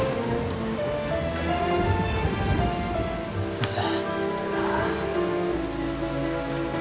先生。